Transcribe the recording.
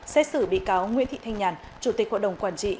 xét xử bị cáo nguyễn thị thanh nhàn chủ tịch hội đồng quản trị